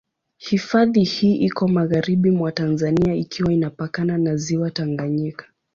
Hifadhi hii iko magharibi mwa Tanzania ikiwa inapakana na Ziwa Tanganyika.